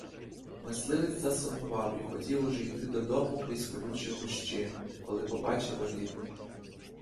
Мисливець засумував і хотів уже йти додому крізь колючі кущі, коли побачив орлів.